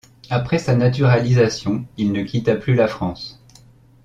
Après sa naturalisation, il ne quitta plus la France.